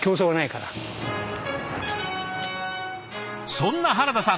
そんな原田さん